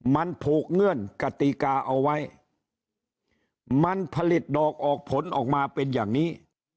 มันผูกเงื่อนกติกาเอาไว้มันผลิตดอกออกผลออกมาเป็นอย่างนี้